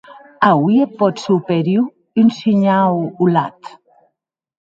Auie eth pòt superior un shinhau holat.